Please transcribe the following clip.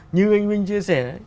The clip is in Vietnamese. như anh minh chia sẻ